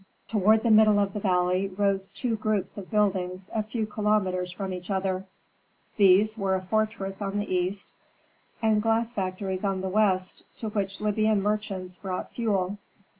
Toward the middle of the valley rose two groups of buildings a few kilometres from each other; these were a fortress on the east, and glass factories on the west, to which Libyan merchants brought fuel.